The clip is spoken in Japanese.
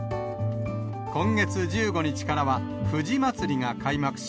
今月１５日からは、藤まつりが開幕し、